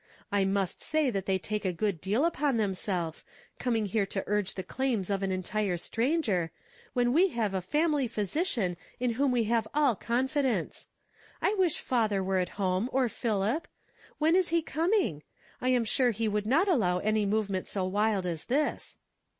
I must say that they take a good deal upon themselves, coming here to urge the claims of an entire stran ger, when we have a family physician in whom we have all confidence. I wish father were at home or Philip. When is he coming? I am sure he Nwould not allow any movement so wild as this."